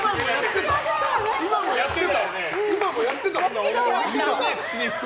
今もやってた！